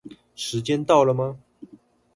時間到了嗎